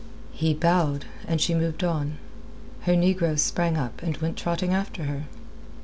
He bowed, and she moved on. Her negroes sprang up, and went trotting after her.